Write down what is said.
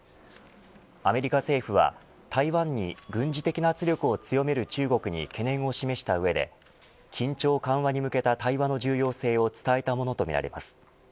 アメリカ政府は台湾に軍事的な圧力を強める中国に懸念を示した上で緊張緩和に向けた対話の重要性を伝えたものとみられます。